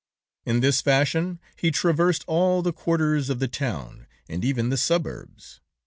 "In this fashion he traversed all the quarters of the town, and even the suburbs.